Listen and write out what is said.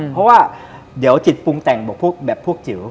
เพราะว่าเดี๋ยวจิตปรุงแต่งบอกพวกแบบพวกจิ๋ว